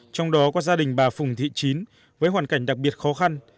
trong đó có gia đình bà phùng thị chín với hoàn cảnh đặc biệt khó khăn